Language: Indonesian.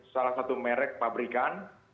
salah satu merek pabrikan